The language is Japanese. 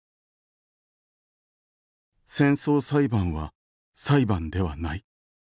「戦争裁判は裁判ではない。